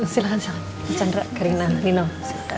silahkan salam chandra karina nino silahkan